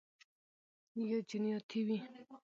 یا جنیاتي وي